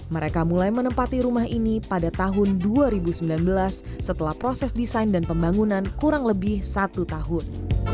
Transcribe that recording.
mereka mulai menempati rumah ini pada tahun dua ribu sembilan belas setelah proses desain dan pembangunan kurang lebih satu tahun